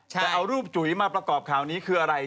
แต่เอารูปจุ๋ยมาประกอบข่าวนี้คืออะไร